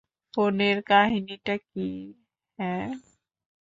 ফোনের কাহিনীটা কী, হাহ?